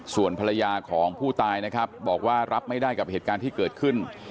ส่วนภรรยาของผู้ตายนะครับบอกว่ารับไม่ได้กับเหตุการณ์ที่เกิดขึ้น